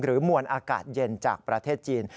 มวลอากาศเย็นจากประเทศจีน